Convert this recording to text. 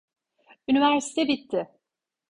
Üniversite bitti.